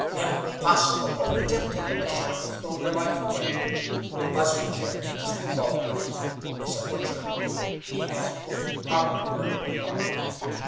"Impossible! Don't attempt it unless you want to throw your life away. Buzzard Jim, as we call Girty, is a butcher; he has probably murdered the girl."